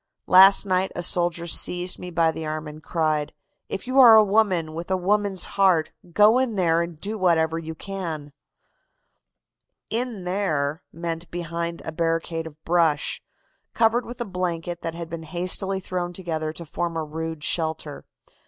"Last night a soldier seized me by the arm and cried: 'If you are a woman with a woman's heart, go in there and do whatever you can.' "'In there' meant behind a barricade of brush, covered with a blanket that had been hastily thrown together to form a rude shelter.